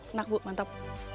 enak bu mantap